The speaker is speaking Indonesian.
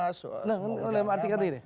nah maksudnya kata gini